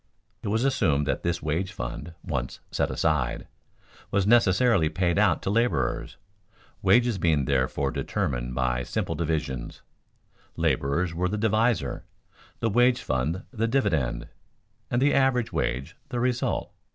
It was assumed that this wage fund, once set aside, was necessarily paid out to laborers, wages being therefore determined by simple division: laborers were the divisor, the wage fund the dividend, and the average wage the result.